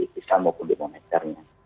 fiskal maupun di moneternya